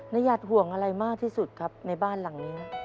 ญาติห่วงอะไรมากที่สุดครับในบ้านหลังนี้